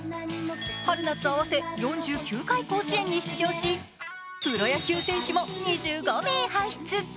春・夏合わせ４９回甲子園に出場し、プロ野球選手も２５名輩出。